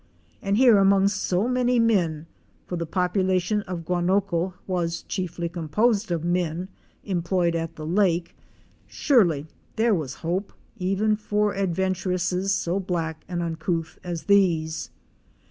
And here among so many men, for the population of Guanoco was chiefly composed of men employed at the lake, surely there was hope, even for adventuresses so black and uncouth as these.